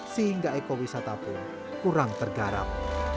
sehingga ekowisata pun kurang tergarap